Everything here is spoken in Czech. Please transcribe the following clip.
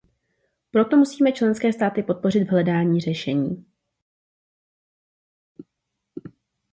Proto musíme členské státy podpořit v hledání řešení.